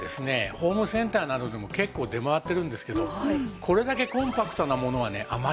ホームセンターなどでも結構出回ってるんですけどこれだけコンパクトなものはねあまり見かけないと思います。